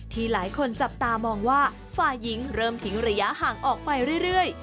หลายคนจับตามองว่าฝ่ายหญิงเริ่มทิ้งระยะห่างออกไปเรื่อย